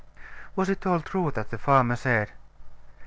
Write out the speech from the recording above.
Was it all true that the farmer said?